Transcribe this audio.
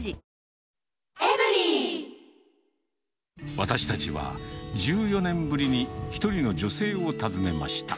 私たちは、１４年ぶりに１人の女性を訪ねました。